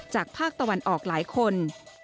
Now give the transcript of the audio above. ภาคตะวันออกหลายคน